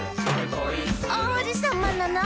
「おうじさまなの！」